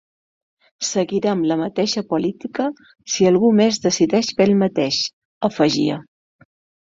Seguirem la mateixa política si algú més decideix fer el mateix, afegia.